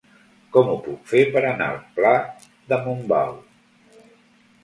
Com ho puc fer per anar al pla de Montbau?